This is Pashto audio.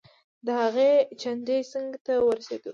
د هغې چنډې څنګ ته ورسیدو.